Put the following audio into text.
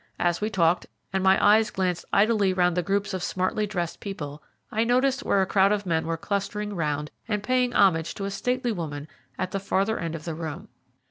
As we talked, and my eyes glanced idly round the groups of smartly dressed people, I noticed where a crowd of men were clustering round and paying homage to a stately woman at the farther end of the room.